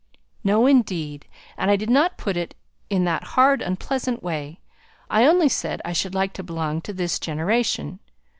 "No, indeed. And I did not put it in that hard unpleasant way; I only said I should like to belong to this generation.